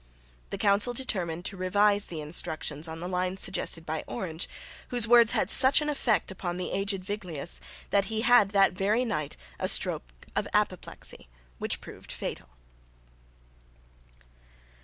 The council determined to revise the instructions on the lines suggested by Orange, whose words had such an effect upon the aged Viglius, that he had that very night a stroke of apoplexy, which proved fatal.